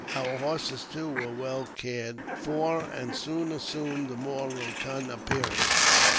Our horses, too, were well cared for, and soon assumed a more rotund appearance.